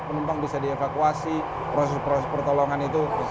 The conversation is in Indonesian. penumpang bisa dievakuasi proses proses pertolongan itu